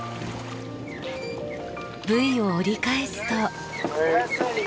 ブイを折り返すと。